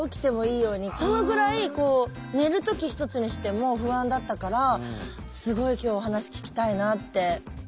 そのぐらい寝る時ひとつにしても不安だったからすごい今日お話聞きたいなって。